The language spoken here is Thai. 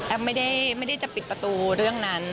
ไม่ได้จะปิดประตูเรื่องนั้น